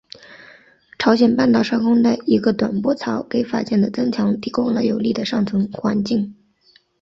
朝鲜半岛上空的一个短波槽给法茜的增强提供了有利的上层环境。